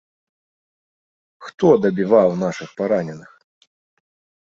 Хто дабіваў нашых параненых?